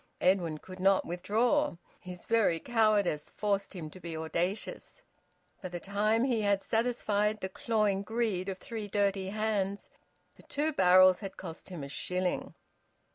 Edwin could not withdraw. His very cowardice forced him to be audacious. By the time he had satisfied the clawing greed of three dirty hands, the two barrels had cost him a shilling.